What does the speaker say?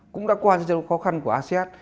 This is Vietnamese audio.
cũng đã qua những trận đấu khó khăn của asean